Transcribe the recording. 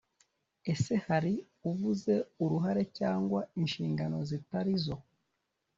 Ese hari uvuze uruhare cyangwa inshingano zitari zo?